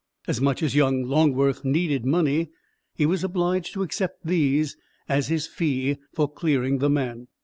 As much as young Longworth needed money he was obliged to accept these as his fee for clearing the man.